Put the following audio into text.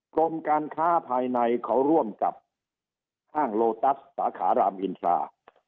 กรมการค้าภายในเขาร่วมกับห้างโลตัสสาขารามอินทรา